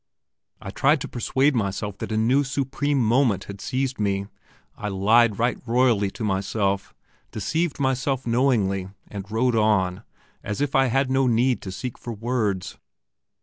I tried to persuade myself that a new supreme moment had seized me; I lied right royally to myself, deceived myself knowingly, and wrote on, as if I had no need to seek for words.